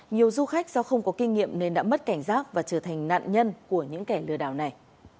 nhiều du khách do không có kinh nghiệm nên đã mất cảnh giác và trở thành nạn nhân của những kẻ lừa đảo này